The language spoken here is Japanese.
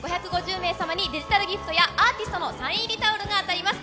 ５５０名様に、デジタルギフトや、アーティストのサイン入りタオルが当たります。